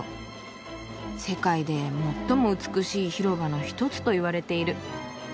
世界で最も美しい広場の一つといわれている」。